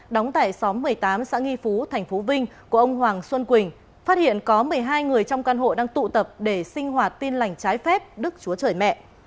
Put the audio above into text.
đóng tại xóm một mươi tám xã nghi phú tp vinh của ông hoàng xuân quỳnh phát hiện có một mươi hai người trong căn hộ đang tụ tập để sinh hoạt tin lành trái phép đức chúa trời mẹ